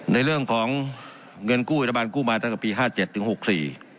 ในเรื่องของเงินกู้เหลือนกู้มาตั้งแต่ปี๕๗๖๔